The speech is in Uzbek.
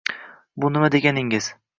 U nima deganingiz